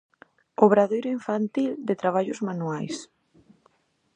Obradoiro infantil de traballos manuais.